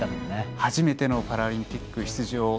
初めてのパラリンピック出場。